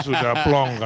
sudah plong kan